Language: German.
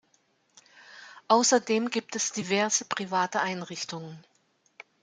Außerdem gibt es diverse private Einrichtungen.